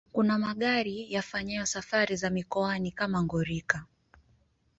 Kuna magari yafanyayo safari za mikoani kama Ngorika